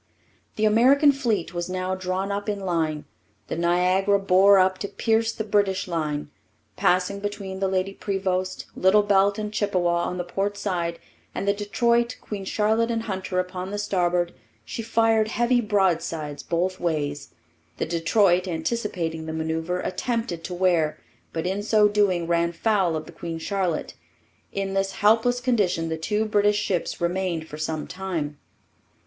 The American fleet was now drawn up in line. The Niagara bore up to pierce the British line. Passing between the Lady Prevost, Little Belt, and Chippewa on the port side and the Detroit, Queen Charlotte, and Hunter upon the starboard, she fired heavy broadsides both ways. The Detroit, anticipating the manoeuvre, attempted to wear, but in so doing ran foul of the Queen Charlotte. In this helpless condition the two British ships remained for some time.